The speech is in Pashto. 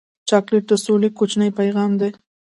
چاکلېټ د سولې کوچنی پیغام دی.